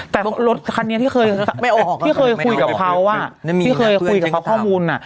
แต่รถคันนี้ที่เคยออกที่เคยคุยกับเขาที่เคยคุยกับเขาข้อมูล